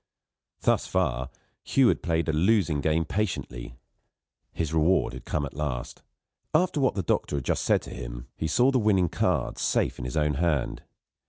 Thus far, Hugh had played a losing game patiently. His reward had come at last. After what the doctor had just said to him, he saw the winning card safe in his own hand.